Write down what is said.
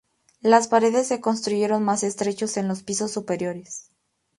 Las paredes se construyen más estrechos en los pisos superiores.